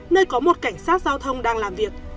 nơi có một cảnh sát giao thông đang làm việc